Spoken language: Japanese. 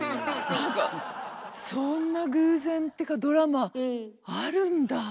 何かそんな偶然っていうかドラマあるんだ。